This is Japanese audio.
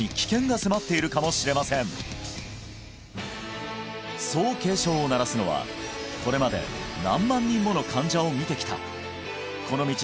あなたのそう警鐘を鳴らすのはこれまで何万人もの患者を診てきたこの道